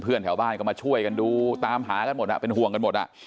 แถวบ้านก็มาช่วยกันดูตามหากันหมดเป็นห่วงกันหมดอ่ะ